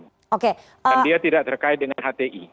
dan dia tidak terkait dengan hti